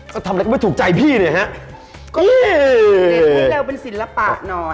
ก็ทำอะไรก็ไม่ถูกใจพี่เนี้ยฮะก็เร็วเป็นศิลปะหน่อยได้ครับผม